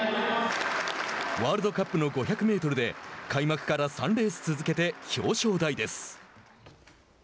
ワールドカップの５００メートルで開幕から３レース続けて表彰台です。